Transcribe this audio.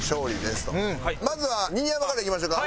まずは新山からいきましょうか。